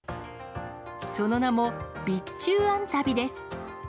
その名も備中あんたびです。